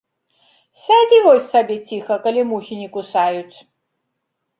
Сядзі вось сабе ціха, калі мухі не кусаюць.